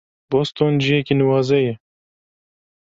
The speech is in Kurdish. Boston ciyekî nuwaze ye.